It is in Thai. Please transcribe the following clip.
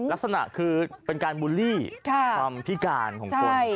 ลักษณะคือเป็นการบูลลี่ความพิการของคน